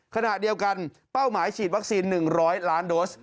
ขณะเดียวกันเป้าหมายฉีดวัคซีน๑๐๐ล้านโดส